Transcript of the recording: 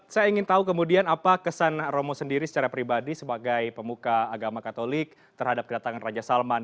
saya ingin tahu kemudian apa kesan romo sendiri secara pribadi sebagai pemuka agama katolik terhadap kedatangan raja salman